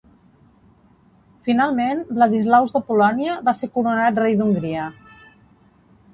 Finalment, Vladislaus de Polònia va ser coronat Rei d'Hongria.